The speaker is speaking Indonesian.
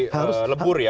harus dilebur ya